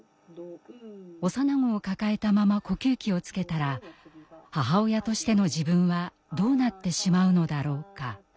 幼子を抱えたまま呼吸器をつけたら母親としての自分はどうなってしまうのだろうか。